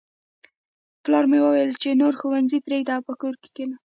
پلار مې وویل چې نور ښوونځی پریږده او په کور کښېنه